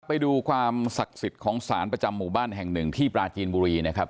ไปดูความศักดิ์สิทธิ์ของสารประจำหมู่บ้านแห่งหนึ่งที่ปราจีนบุรีนะครับ